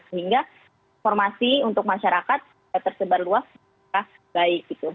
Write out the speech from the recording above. sehingga informasi untuk masyarakat tersebar luas baik gitu